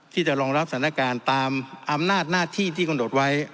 ที่จะรองรับสถานการณ์ตามอำนาจหน้าที่ที่กำหนดไว้